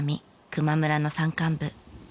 球磨村の山間部。